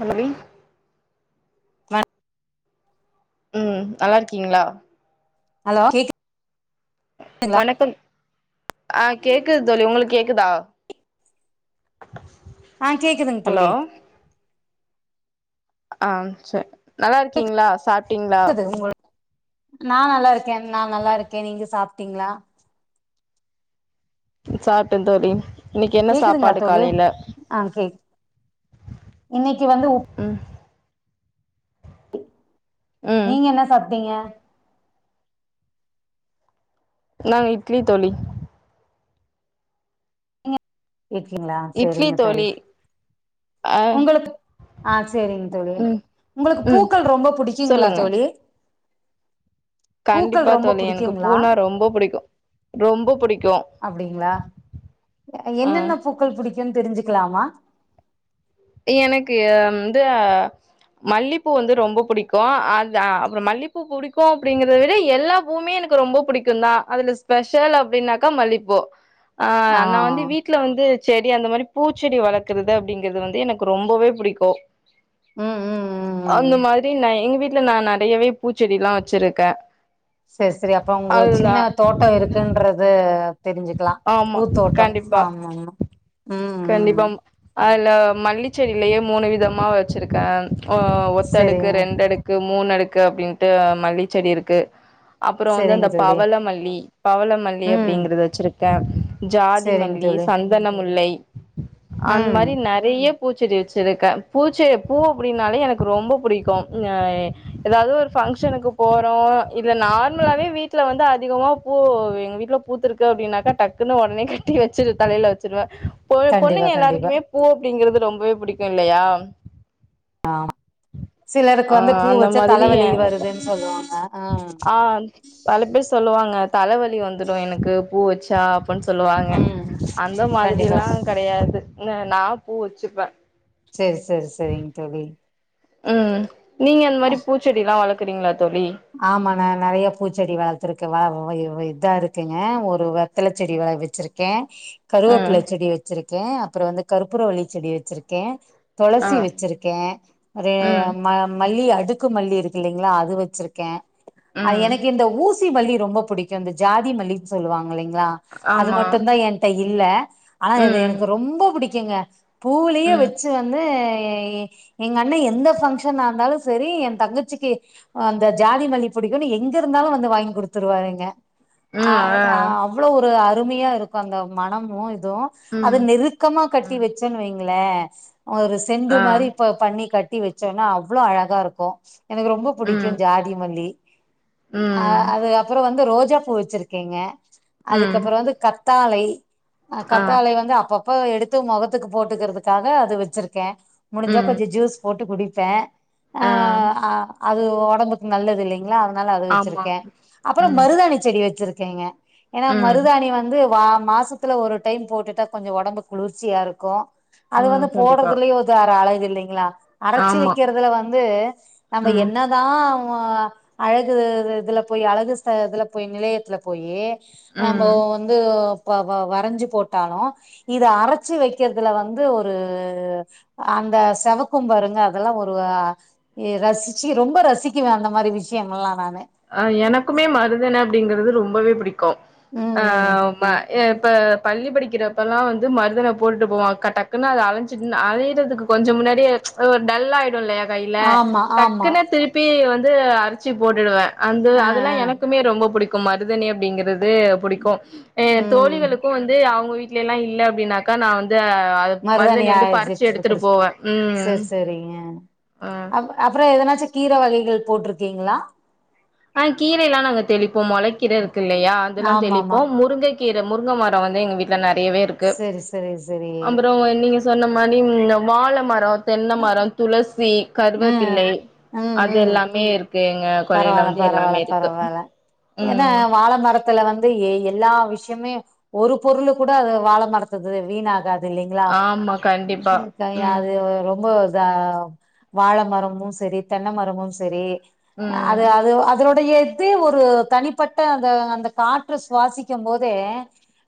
பல்லவி உம் நல்லா இருக்கீங்ளா ஹலோ கேக் வணக்கம் ஆஹ் கேக்குது தோழி உங்களுக்கு கேக்குதா. ஆஹ் கேக்குதுங்க ஹலோ தோழி. ஆஹ் ச நல்லா இருக்கீங்களா சாப் அதுஉங் நான் நல்லா இருக்கே. நான் நல்லா இருக்கே. நீங்க சாப்டிங்களா சாப்டே தோழி இன்னைக்கு என்ன கேக்குதுங்களா சாப்பாடு தோழி காலையில ஆஹ் கே இன்னைக்கு வந்து உப் ம் ம் நீங்க என்ன சாப்டிங்க நாங்க இட்லி தோழி. இட்லிகங்களா செரிங்க தோழி ஆ உங்களுக்கு ஆஹ் செரிங்க தோழி. ம் உங்களுக்கு ம் பூக்கள் ரொம்ப புடிக்குங்களா சொல்லுங்க தோழி பூக்கள் கண்டிப்பா ரொம்ப தோழி. எனக்கு புடிக்குங்களா பூனா ரொம்ப புடிக்கூ ரொம்ப புடிக்கூ அப்டிங்களா என்னென்ன பூக்கள் பிடிக்கும்னு தெருந்ச்சு ஞ்சுக்கலாமா எனக்கு வந்து அ மல்லிப்பூ வந்து ரொம்ப புடிக்கூ அ அத அப்பறோ மல்லிப்பூ ப புடிக்கூ அப்படிங்கிறத விட எல்லா பூவுமே எனக்கு ரொம்ப பிடிக்கூ தான் அதுல ஸ்பெஷல் அப்டின்னாக்கா மல்லிப்பூ ஆஹ் ஆ நான் வந்து வீட்ல வந்து செடி அந்த மாரி பூச்செடி வளர்க்குறது அப்டிங்கறது வந்து து எனக்கு ரொம்பவே பிடிக்கூ ம் ம் ம் அந்த ம் மாரின எங்க வீட் வீல நான் நெறையவே பூச்செடி ல்லாம் வச்சிருக்கே செரி செரி அப்ப உங்க சின்ன தோட்டோ இருக்குன்றது தெரிஞ்சுக்கலா. ஆமா பூத்தோட்டம் கண்டிப்பா ஆமா ஆமா ம் ம் அத்ல மல்லி செடியிலயே மூணு விதமா வச்சுருக்கே ஒ ஒத்த அடுக்கு செரிங்க ரெண்டுடுக்கு மூணு அடுக்கு அப்படின்ட்டு மல்லி செடி இருக்கு. அப்பறோ வந்து செரிங்க அந்த தோழி பவளமல்லி பவளமல்லி ம் அப்டிங்கறது த செரிங்க ஜாதிமல்லி தோழி சந்தனமுல்லை அந்த ம் மாரி நறைய பூச்செடி வச்சுருக்கே பூச்செடி பூ அப்டின்னாலே எனக்கு ரொம்ப பிடிக்கூ ஏதாவது ஒரு ஃபங்க்ஷனுக்கு போறோ இல்ல நார்மலாவே வீட்ல வந்து அதிகமா பூ எங்க வீட்ல பூத்துருக்கு அப்டின்னா டக்குன்னு உட்னே கட்டி வச்சுட்டு தலைய வச்சிருவே பொ கண்டிப்பா பொண்ணுங்க கண்டிப்பா எல்லாருக்குமே பூ அப்டிங்கறது ரொம்பவே பிடிக்கூ இல்லையா ஆஹ் சிலருக்கு ஆ வந்து பூ அந்த வச்சு மாதிரி தலைவலி எனக்கு வருதுன்னு சொல்லுவாங்க ஆஹ் தலைவலி வந்துடும் எனக்கு பூ வச்சா அப்பின்னு சொல்லுவாங்க ம் அந்த மாதிரி கண்டிப்பா எல்லாம் கிடையாது நான் பூ வச்சுப்பேன் சரி சரி சரிங்க தோழி உம் நீங்க இந்த ஆ மாரி பூச்செடி எல்லாம் வளர்க வளக்ரிங்களா தோழி நான் நிறையா பூச்செடி வளர்த்துருக்கேன் வ இதா இருக்குதுனு ஒரு வெத்தலை செடி வள வச்சுருக்கேன் கருவேப்புல ம் செடி வச்சிருக்கேன் இருக்கேன் அப்புறம் வந்து கருப்பூர வள்ளி செடி வச்சிருக்கேன் ஆ துளசி வச்சிருக்கேன் ஒரு ம் ம மல்லி அ அதுக்கு மல்லி இருக்கு இல்லலைங்களா அது வச்சிருக்கு க அ ம் எனக்கு இந்த ஊ ஊசி மல்லி ரொம்ப புடிக்கும் இந்த ஜாதி மல்லின்னு சொல்லுவாங்க ங்கள அது ஆமா மட்டும்தான் என்ட்ட இரு இல்ல ஆனா இது ம் எனக்கு ரொம்ப புடிக்கு கும்ங்க பூலயே ம் வச்சு வந்து எங்க அண்ண எந்த பங்க்ஷன் இருந்தாலும் சரி என் தங்கச்சிக்கு அ இந்த ஜாதி மல்லி பிடிக்கும்னு எங்க இருந்தாலும் வந்து வாங்கி கொடுத்துருவாருங்க ம் அஹ் ஆ அ அவ்வளவு ஒரு அருமையா இருக்கும் அந்த மனமும் ம் அத நெருக்கமா கட்டி ம் வச்சன்னு வைங்க லே ஒரு செண்டு ஆ மாரி இப்ப பண்ணி கட்ட ட்டி வச்சேனா அவ்ளோ அழகா இருக்கும் எனக்கு ரொம்ப பிடிக்கும் ம் ம் அஹ் அது அப்புறம் வந்து ரோஜா பூ வச்சிருக்கீங்க ம் அதுக்கப்புறம் வந்து கத் தாலை ஆஹ் ஆ கத்தாளை வந்து அப் அப் அப்போ எடுத்து மொகத்துக்கு போட்டுக்கிறதுக்காக அது வச்சிருக்கே முடிஞ்சா ம் கொஞ்சோ ஜூஸ் போட் குடிப்பே ஆ அஹ் ஆஹ் அது ஒ டம்புக்கு நல்லது இல்லைங்களா அதனால அது ஆமா வச்சிருக்கே அப்புறோ ம் மருதாணி செடி வச்சிருக் க்கேங்க ஏனா ம் மருதாணி வந்து வா மாசத்துல ஒரு டைம் போட்டுட்டா கொஞ்சோ உடம்பு குளிர்ச்சியா இருக்கு அது ம் வந்து கண்டிப்பா போடுறதுலயே ஒது வேற அழகு இல்லைங்களா அரைச்சு ஆமா வைக்கறதுல வந்து நம்ம ம் என்னதா அஹ் அழகு இதுல போய் அழகு ச இதுல போய் நிலையத்துல போயி நாம ம் வந்து வ வ வரைஞ்சி போட்டாலு இத அரைச்சு வைக்கிறதுல வந்து ஒரு அந்த செவக்கும்பாருங்க அதெல்லா ஒரு ரசிச்சு ரொம்ப ரசி கிவே அந்த மாரி விஷயம்ல்லா நான் அஹ் எனக்குமே மருதான அப்டிங்கறது ரொம்பவே பிடிக் க்கு ம் ம் ஆஹ் மா இப்ப பள்ளி படிக்கிறப்பல்லா வந்து மருதன போட்டுட்டு போவங்க டக்குன்னு அத அழஞ்சி அலையறதுக்கு கொஞ்சம் முன்னாடியே அ டல்லா ஆயிடு இல்லையா கையில ஆமா ஆமா டக்குன்னு திருப்பி வந் வந்து அரிச்சி போட்டுடுவே அந்த ஆ அதெல்லா ஆ எனக்குமே ரொம்ப பிடிக் க்கு மருதாணி அப்டிங்கறது து புடிக்கு அ ம் தோழிங்களுக்கு வந்து அவங்க வீட் எல்லா இல்ல அப்டின்னாக்க நா வந்து அஹ் அது மருதாணி மருதணி வந்து பறிச்சு எடுத்துட்டு [unintelligible] போவே சரி ம் சரிங்க ஆ அ அப்புறோ எதனாச்சு கீர வகைகள் போட்ருக்கீங்களா ஆஹ் கீரை எல்லா நாங்க தெளிப்போ மொளக்கீர இருக்கு இல்லையா அதெல்லா ஆமா தெளிப்போ ஆமா முருங்கை கீர முருங்க மரம் வந்து எங்க வீட்ல நெற யவே இருக்கு சேரி சேரி சேரி அப்புறோ நீங்க சொன்ன மாரி ன்னு வாழ மரம் தென்ன மரம் துளசி ஆ கருவப்பிள்ளை ம் அது ம் எல்லாமே இருக்கு [unintelligible] [unintelligible] பரவால்ல வந்து எல்லாமே பரவால்ல இருக்கு பரவால ஏன்னா ம் வாழ மரத்துல வந்து எ எல்லா எல்ல விஷயுமே ஒரு பொருள் கூட அது வாழ மரத்துது வீணாகாது இல்லலைங்களா ஆமா கண்டிப்பா [unintelligible] ம் அது ரொம்ப வாழ மரமும் செரி தென்னை மரமும் செரி ம் அது அது அதோட எது ஒரு தனிப்பட்ட அந்த அந்த காற்ற சுவாசிக்கும் போது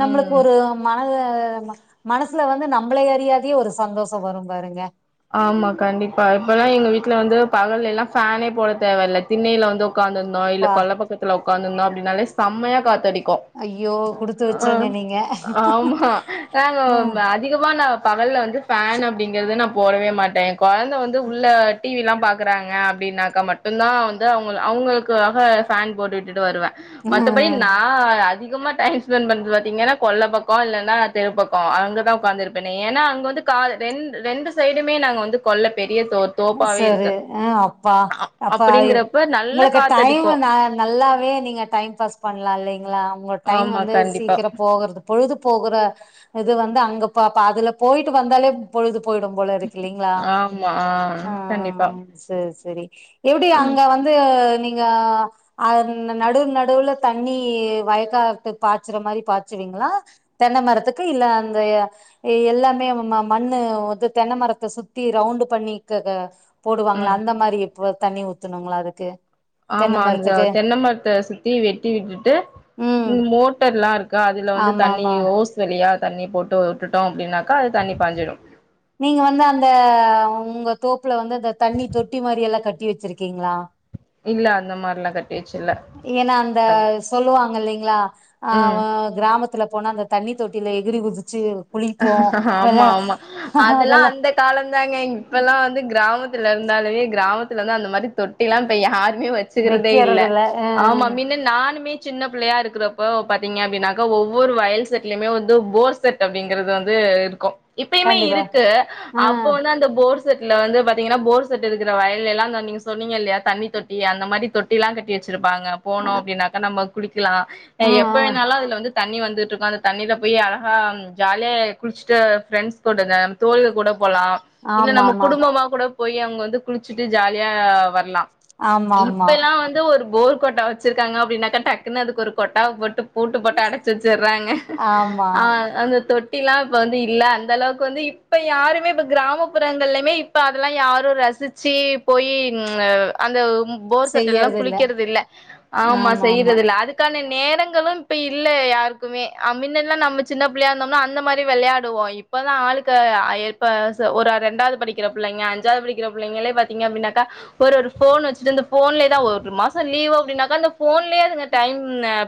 நம்மளுக்கு ம் ஒரு மனசு மனசுல வந்து நம்மளே அறியாதே ஒரு சந்தோஷம் வரும் பாருங்க ஆமா கண்டிப்பா இப்ப எல்லாம் எங்க வீட்டுல வந்து பகல் எல்லாம் ஃபேனே போட தேவையில்ல திண்ணையில வந்து உட்காந்துருதோம் இல்ல ப்பா கொல்ல பக்கத்துல உட்காந்துருந்தோம் அப்படினாலே செம்மாய காத்தடிக்கும் ஐயோ குடுத்து கு வச்சோங்க நீங்க ஆஹ் ஆம்மா ம் நாங்க அதிகமா பகல்ல வந்து ஃபேன் அப்படிங்கறது நம் போடவே மாட்டேன் என் கொழந்த வந்து உள்ள டிவிலாம் பாக்குறாங்க அப்படின்னாக்கா மட்டும்தான் வந்து அவங்க அவங்களுக்காக ஃபேன் போட்டு விட்டுட்டு வருவேன். மத்தபடி ம் நான் அதிக சும்மா டைம் ஸ்பெண்ட் பண்றது பாத்தீங்கன்னா கொல்ல பக்கம் இல்லானா தெரு பக்கம் அங்கதான் உக்கத்துருப்பெனே ஏன்னா அங்க வந்து கால் ரெ ரெண்டு சைடுமே நாங்க வந்து கொல்ல பெரிய தோ தோப்பாவே சரி இருக்கு ஆஹ் அப்பா அ அப்ப அப்டிங்கறப்ப நல்ல உங்களுக்கு டைம் காத்தடிக்கு ந நல்லாவே நீங்க டைம் பாஸ் பண்ணலாம் இல்லைங்களா உங்கோ டைம் ஆமா வந்து கண்டிப்பா சீக்கிரம் போகுது. பொழுது போகற இது வந்து அங்க பா அதுல போயிட்டு வந்தாலே பொழுது பொ போயிடும் போல இருக்கு இல்லலைங்களா ஆமா ஆ கண்டிப்பா ஆஹ் செரி செரி செரி எப்படி அங்க வந்து நீங்க அ நடுவு நடுவுல தண்ணி வயக்காத்து பாய்ச்சுற மாதிரி பாய்ச்சுவீங்களா தென்னை மரத்துக்கு இல்ல அந்த எல்லாமே நம்ம மண்ணு வந்து தென்ன மரத்தை சுத்தி ரவுண்டு் பண்ணி கக்க போடுவாங்களா ம் அந்த மாரி தண்ணி ஊத்துணுங்களா அதுக்கு தென்ன ஆமா அந்த மரத்துக்கு தென்ன மரத்தை சுத்தி வெட்டி விட்டுட்டு ம் மோட்டர் எல்லாம் இருக்கா அதுல வந்து ஆமா தண்ணி ஆமா ஓஸ் வழியா தண்ணி போட்டு விட்டுட்டோம் அப்படின்னாக்கா அது தண்ணி பாஞ்சிடும் நீங்க வந்து அந்த உங்க தோப்புல வந்து அந்த தண்ணி தொட்டி மாரி எல்லாம் கட்டி வச்சிருக்கீங்களா இல்ல அந்த மாரல்லா கட் ஏன்னா அந்த சொல்லுவாங்க இல்லைங்களா ம் ஆஹ் கிராமத்து த்துல போனா அந்த தண்ணி தொட்டில எகுரி குதிச்சு குளிப்போ ஆமா வெளா ஆமா அதெல்லாம் அதெல்லா அந்த காலம் தாங்க இப்பெல்லாம் வந்து கிராமத்து இருந்தாலமே கிராமத்தில் இருந்து அந்த மாரி தொட்டில்லா இப்ப யாரு வச்சுக்கிறதே இல்ல வைக்கிறது ஆ ஆமா மின்ன நானுமே சின்ன பிள்ளையா இருக்கிறப்ப பாத்தீங்க அப்படின்னா ஒவ்வொரு வயல் செட்லயுமே வந்து போர் செட் அப்படிங்கறது வந்து இருக்கும் இப்பயுமே கண்டிப்பா இருக்கு ஆ அப்போ வந்து அந்த போர்ஸ் செட்ல வந்து பாத்தீங்கன்னா போர் செட் இருக்கிற வயல்ல்லாம் நீங்க சொன்னீங்கல்லையா தண்ணி தொட்டி அந்த மாரி தொட்டி எல்லாம் கட்டிவச்சிருப் பாங்க ஆ போனம் அப்படின்னாக்கா நம்ம இருக்கலாம் ஆ எப்ப வேணாலும் அதுல வந்து தண்ணி வந்துட்டு இருக்கோம் அந்த தண்ணியில போய் அழகா ஜாலிய குளிச்சட்டு ஃப்ரெண்ட்ஸ் கூட தோழிகள் கூட போலாம் இல்ல ஆமா நம்ம ஆமா குடும்பமா கூட போய் அவங்க வந்து குளிச்சுட்டு ஜாலியா வரலாம் ஆமா இப்ப ஆமா எல்லாம் வந்து ஒரு போர் கொட்டா வச்சிருக்காங்க அப்படின்னாக்கா டக்குன்னு அது ஒரு கொட்டா போட்டு பூட்டு போட்டு அடைச்சு வச்சறாங்க ஆமா ஆஹ் அந்த தொட்டில்லாம் இப்ப வந்து இல்ல அந்த அளவுக்கு வந்து இப்ப யாருமே இப்ப கிராமப்புறங்கள்லமே இப்ப அதெல்லாம் யாரும் ரசிச்சு போய் அந்த போர் சட்ட எல்லாம் குளிக்கிறது இல்ல ஆமா செய்யறது இல்ல அதுக்கான என்ன நேரங்களும் இப்ப இல்ல யாருக்குமே அ முன்னல்லாம் நம்ம சின்ன பிள்ளையா இருந்த அந்த மாரி விளையாடுவோ இப்பதான் ஆளுக்கு இப்ப‌ஒரு இரண்டாவது படிக்கிற பிள்ளைங்க அஜ்ஜாவது படிக்கிற பிள்ளைங்கள பாத்திங்கன்னா ஒரு ஒரு போன் வச்சிகிட்டு அந்த போன்லயே தான் ஒரு மாசம் லீவு அப்படிங்கனா போன்லயே அதுங்க டைம்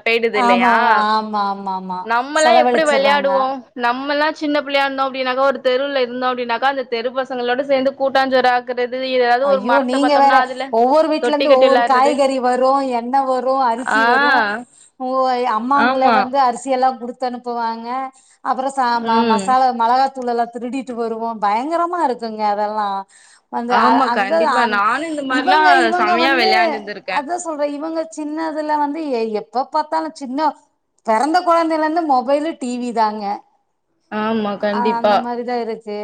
போய்டுது ஆமா இல்லையா ஆமா ஆமா ஆமா நம்மலாம் எப்படி செலவழிச்சறாங்க விளையாடுவோம் நம்மல்லாம் சின்ன பிள்ளையா இருந்தோம்ப்படின்னா ஒரு தெருவில்ல இருந்தோம் அப்பின்னாக்கா அந்த தெரு பசங்களோடு சேர்ந்து கூட்டாஞ்சோரு ஆக்க ஐயோ நீங்க வேற ஒவ்வொரு வீட்ல தொட்டி இருந்து கட்டி ஒவ்வொரு வெளாடுறது காய்கறி வரும் எண்ணெய் வரும் ஆ அரிசி வரும் அம்மாங்கள ஆமா வந்து அரிசி எல்லாம் குடுத்து குடுத்து அனுப்புவாங்க அப்புறம் ச ம ம் மசாலா மிளகா புல்லேல்லாம் திருடிட்டு வருவோம் பயங்கரமா இருக்குங்க அதெல்லாம் வந்து ஆறா ஆமா கண்டிப்பா நானும் இந்த மாரிலாம் செமையா வந்து விளையாண்டுந்திருக்கேன் அதா சொல்றே இவங்க சின்னதுல வந்து எப்ப பார்த்தாலும் சின்ன பிறந்த குழந்தைல இருந்து மொபைலு டி வி தாங்க ஆமா அஹ் கண்டிப்பா அந்த மாரிதா இருக்கு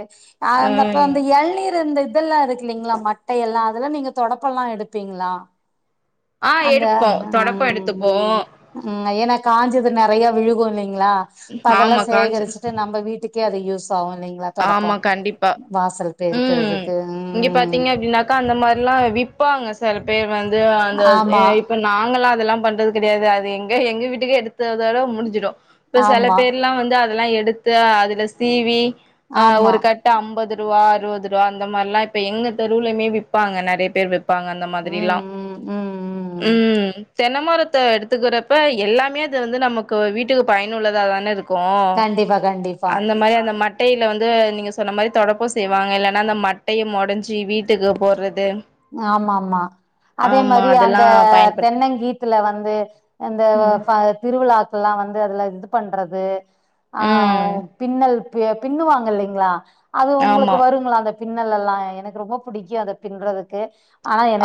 ஆஹ் ஆ அந்தப்ப அந்த எழ்நீர் இந்த தெல்லா இருக்கு ல்லலைங்களா மட்டை எல்லா அதெல்லா நீங்க தொடப்பம்மலா எடுப்பீங்களா ஆஹ் அந்த எடுப்போ தொடப்ப ம் எடுத்துப்போ ம் ஏன்னா காஞ்சது நெறையா விழுகு இல்லை ங்களா அதெல்லா ஆமா காஞ்ச சேகரிச்ட்டு நம்ம வீட்டுக் க்யாதே யூஸ் பாவ நீங்களா தொடப்ப ஆமா கண்டிப்பா வாசல் ம் பெருக்குறதுக்கு ம் இங்க பாத்தீங்க அப்படின்னாக்கா அந்த மாரிலா விப்பாங்க ச செலபேர் வந் ந்து அந்த எ ஆமா இப்ப நாங்களா அதெல்லா பண்றது கெடையாது அது எங்க எங்க வீட்டுக்கே எடுத்ததோட முடிஞ்சிடு இப்ப செல ஆமா பேர்ல்லா வந்து அ அதெல்லா எடுத்து அதுல சீவி ஆஹ் ஆமா ஒரு கட்டு அம்பது ரூவா அறுபது ரூவா அந்த மாரிலா இப்ப எங்க தெருவ்லுமே விப்பாங்க நெறைய பேர் விப் ப்பாங்க அந்த மாதிரில்லா ம் ம் ம் ம் உம் தென்னமரத்தை எடுத்துக்கிறப்ப எல்லாமே அது வந்து நமக்கு வீட்டுக்கு பயனுள்ளதா தான இருக் க்கு கண்டிப்பா கண்டிப்பா அந்த மாரி அந்த மட்டை ந்து நீங்கள் சொன்ன மாதிரி தொடப்பம் செய்வாங்க இல்லன்னா அந்த மட்டைய மொடஞ்சி வீட்டுக்கு போறது ஆமா ஆமா அதே மாரி அந்த அதெல்லா பயன்படுத் தென்னங்கீத்துல வந் து அந்த வ ம் ஃப திருவிழாக் ல்லாம் வந்து அதுல இது பண்றது ம் ஆஹ்வ் பின்னல் பே பின்னுவாங்க இல்லைங்களா அது உங்களுக்கு ஆமா வருங்களா அந்த பின்னலல்லா எனக்கு ரொம்ப புடிக்கு அத பின்றதுக் க்கு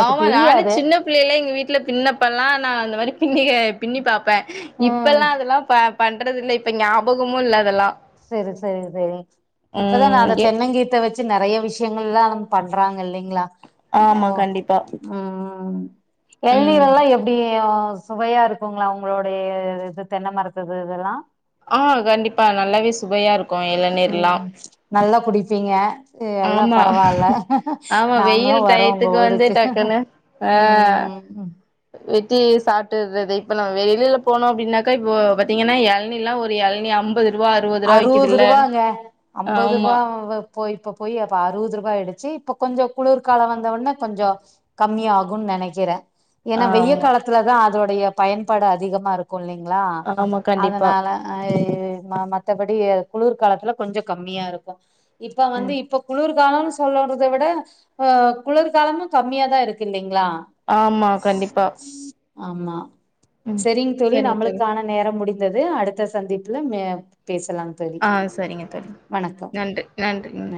ஆமா நானே சின்ன பிள்ளைல்லா எங்க வீட்டுல பின்னப்பல்லா நான் அந்த மாரி யி ஏ பின்னி பாபப்பே ம் இப்பெல்லா அதெல்லா பா பண்றது இல்ல இப்ப ஞாபகமு இல்ல அதெல்லா சரி சரி சரி இப்பதான் நான் ம் அந்த எ தென்னங்கீத்தை வச்சு நெறைய விஷயங்கள்லா நம்ம பண்றாங்க இல்லைங்களா ஆமா ஓ கண்டிப்பா உம் ம் ம் ஹ் எள்நீர் ம் எல்லாம் எப்படி ஓ சுவையா இருக்குங்களா உங்களோடைய இது தென்னை மரத்துது இதெல்லாம் ஆஹ் கண்டிப்பா நல்லாவே சுவையா இருக் ம்ம் நல்லா குடிப்பீங்க எல்லாம் ஆமா பரவாயில்ல ஆமா வெயில் நாங்களும் வரோம் உங்க டயத்துக்கு வந்து ஊருக்கு டக்குன்னு ஆ ம்ஹ் வெட்டி சாப்ட்டுர்றது இப்ப நம்ம வெளியில போனோம் அப்படின்னாக்கா இப்போ பாத்தீங்கன்னா எளனி லாம் ஒரு எளனி ஐம்ப அறுபது ரூபாங்க அம்பது ஆமா ரூபா போய் இப்ப போய் அப்ப அறுபது ரூபாய் ஆய்டுச்சு இப்ப கொஞ்சம் குளுர்கால வந்தவொன்னே கொஞ்சம் கம்மி ஆகுன் நினைக்கிறேன் ஏன்னா வெயில் ஆமா காலத்துலதான் அதோட டைய பயன்பாடு அதிகமாக இருக்கு கொல்லிங்களா ஆமா கண்டிப்பா அதனால ஆஹ் ஏ மாமா மத்தபடி குளிர்காலத்துல கொஞ்சம் கம்மியா இருக்கும் இப்ப வந்து ம் இப்பொ குளுர் காலம்னு சொல்லறதை விட ஆஹ் குளிர்காலமும் கம்மியா தான் இருக்கு இல்லிங்களா ஆம் மா கண்டிப்பா ஆம் மா ம் சரிங் தோழி சரிங்க நம்மளுக்கான நேரம் முடிந் இருந்தது அடுத்த சந்திப்புல மே பேசலாம் தோழி ஆஹ் சரிங்க தோழி வணக்கம் நன்றி நன்றி ங்ஹ்